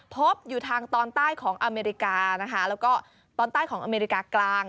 พบอยู่ทางตอนใต้ของอเมริกานะคะแล้วก็ตอนใต้ของอเมริกากลาง